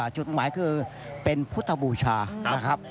จุดหมายคือเป็นพุทธบูชา